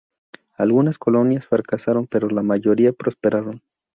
Algunas colonias fracasaron, pero la mayoría prosperaron.